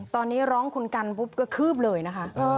ตอนนี้ร้องคุณกันปุ๊บก็คืบเลยนะคะ